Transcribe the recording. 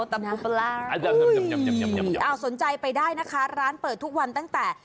ตำน้ำปลาสนใจไปได้นะคะร้านเปิดทุกวันตั้งแต่